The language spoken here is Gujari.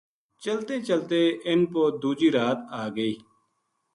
چلتیں چلتیں انھ پو دوجی رات آ گئی